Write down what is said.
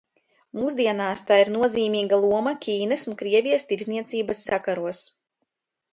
Mūsdienās tai ir nozīmīga loma Ķīnas un Krievijas tirdzniecības sakaros.